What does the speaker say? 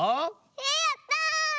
えやった！